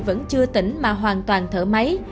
vẫn chưa tỉnh mà hoàn toàn thở máy